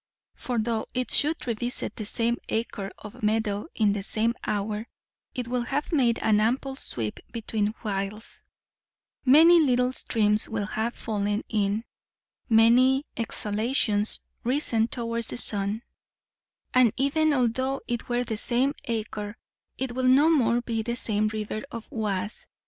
For though it should revisit the same acre of meadow in the same hour, it will have made an ample sweep between whiles; many little streams will have fallen in; many exhalations risen towards the sun; and even although it were the same acre, it will no more be the same river of Oise.